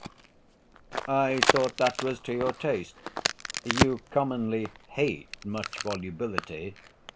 "I thought that was to your taste. You commonly hate much volubility.